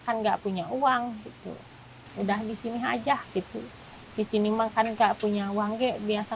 kan enggak punya uang itu udah di sini aja gitu di sini makan gak punya uang gek biasa